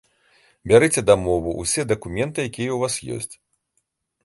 Бярыце дамову, усе дакументы, якія ў вас ёсць.